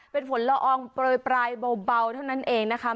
เป็นฝนละอองปล่อยบ่าวเท่านั้นเองนะคะ